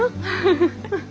フフフ。